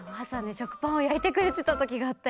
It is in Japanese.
しょくパンをやいてくれてたときがあったよ。